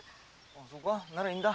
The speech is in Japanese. そうかならいいんだ。